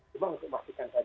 cuma untuk memastikan saja